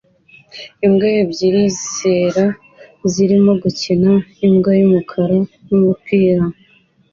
Imbwa ebyiri zera zirimo gukina nimbwa yumukara numupira